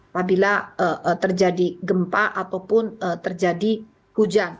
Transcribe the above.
apabila terjadi gempa ataupun terjadi hujan